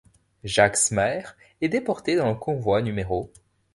Jacques Smaer est déporté dans le Convoi No.